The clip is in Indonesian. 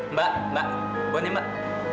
mbak mbak gue nih mbak